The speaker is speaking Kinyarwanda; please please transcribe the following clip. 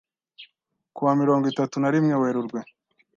ku wa mirongo itatu narimwe Werurwe